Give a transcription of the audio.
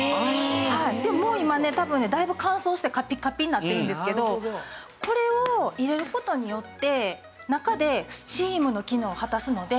もう今ね多分だいぶ乾燥してカピカピになってるんですけどこれを入れる事によって中でスチームの機能を果たすので。